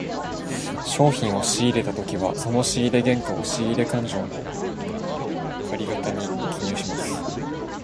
商品を仕入れたときはその仕入れ原価を、仕入れ勘定の借方に記入します。